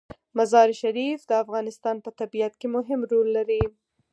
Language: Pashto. مزارشریف د افغانستان په طبیعت کې مهم رول لري.